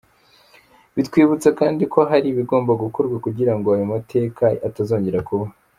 Bitwibutsa kandi ko hari ibigomba gukorwa kugira ngo ayo mateka atazongera kuba.